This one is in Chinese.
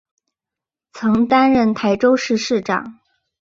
曾担任台中市市长。